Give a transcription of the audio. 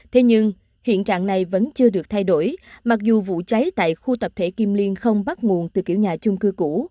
thế nhưng hiện trạng này vẫn chưa được thay đổi mặc dù vụ cháy tại khu tập thể kim liên không bắt nguồn từ kiểu nhà chung cư cũ